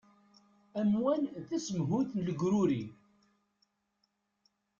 Amwan d tasemhuyt n legruri.